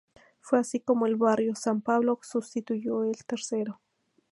Fue así como el barrio San Pablo constituyó el tercero.